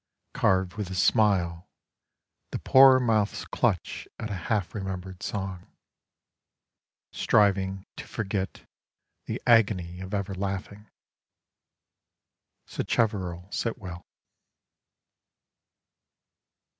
— Carved with a smile, the poor mouths clutch At a half remembered song — Striving to forget the agony of ever laughing.' Sacheverell Sitwell.)